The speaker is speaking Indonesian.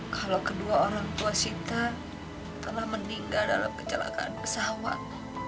kalau kedua orang tua sita telah meninggal dalam kecelakaan pesawat